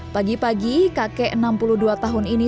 pagi pagi kakek enam puluh dua tahun ini